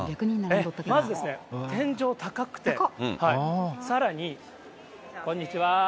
まず天井高くて、さらに、こんにちは。